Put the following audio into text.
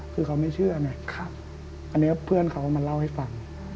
คือเขาไม่เชื่อไงอันนี้เพื่อนเขามาเล่าให้ฟัง